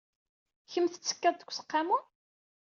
Kemm tettekkaḍ deg useqqamu?